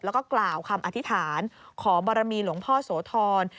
แล้วก็กล่าวคำอธิษฐานขอบรมีหลวงพ่อโสธร